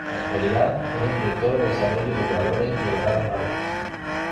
En la actualidad es el Director de Desarrollo de Jugadores de los Dallas Mavericks.